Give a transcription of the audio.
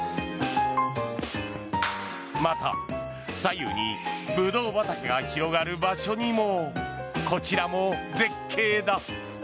また、左右にブドウ畑が広がる場所にもこちらも絶景だ。